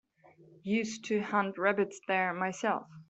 Used to hunt rabbits there myself.